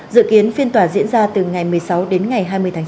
dự kiến phiên tòa diễn ra từ ngày một mươi sáu đến ngày hai mươi tháng chín